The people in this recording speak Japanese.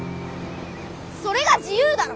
それが自由だろ！